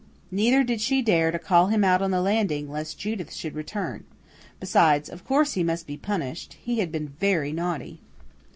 Neither did she dare to call him out on the landing, lest Judith return. Besides, of course he must be punished; he had been very naughty.